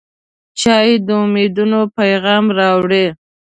چای د امیدونو پیغام راوړي.